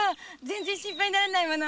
全然心配にならないもの。